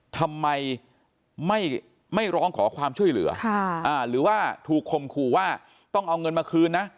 ทำไมไม่ร้องขอความช่วยเหลือหรือว่าถูกคมคู่ว่าต้องเอาเงินมาคืนนะ